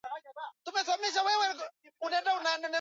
kwanza programu za kisiasa zilitumia mapato ya serikali